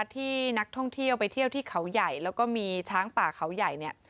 ที่นักท่องเที่ยวไปเที่ยวที่เขาใหญ่แล้วก็มีช้างป่าเขาใหญ่เนี่ย